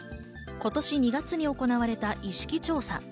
今年２月に行われた意識調査。